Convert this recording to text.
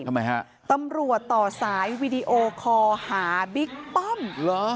ทำไมฮะตำรวจต่อสายวีดีโอคอลหาบิ๊กป้อมเหรอ